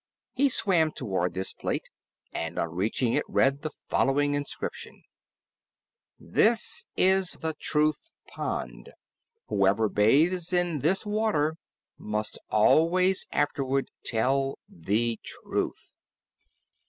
He swam toward this plate, and on reaching it read the following inscription: This is THE TRUTH POND Whoever bathes in this water must always afterward tell THE TRUTH.